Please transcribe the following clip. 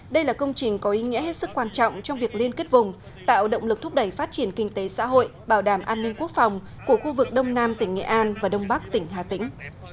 đây là công trình có ý nghĩa hết sức quan trọng trong việc liên kết vùng tạo động lực thúc đẩy phát triển kinh tế xã hội bảo đảm an ninh quốc phòng của khu vực đông nam tỉnh nghệ an và đông bắc tỉnh hà tĩnh